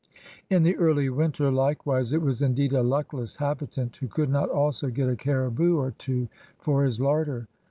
In the early winter, likewise, it was indeed a luckless habitant who could not also get a caribou or two for his larder.